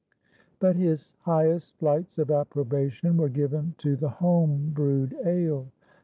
But his highest flights of approbation were given to the home brewed ale.